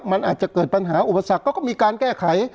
มันอาจจะเกิดปัญหาอุปสรรคก็มีการแก้ไข